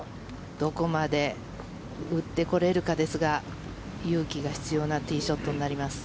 どこまで打ってこれるかですが勇気が必要なティーショットになります。